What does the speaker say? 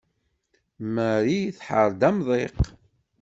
Mari tḥerr-d amḍiq.